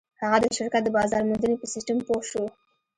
هغه د شرکت د بازار موندنې په سيسټم پوه شو.